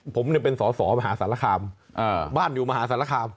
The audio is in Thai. ผมเป็นสอสอมหาสารคามบ้านอยู่มหาสารคาม